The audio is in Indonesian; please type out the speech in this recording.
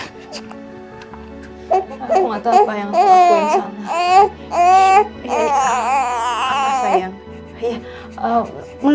aku gak tahu apa yang aku lakuin salah